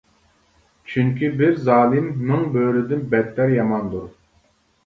چۈنكى، بىر زالىم مىڭ بۆرىدىن بەتتەر ياماندۇر.